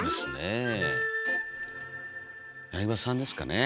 柳葉さんですかね。